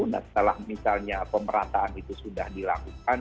nah setelah misalnya pemerataan itu sudah dilakukan